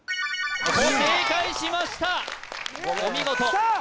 正解しましたお見事さあ